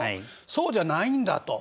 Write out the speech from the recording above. そうじゃないんだと？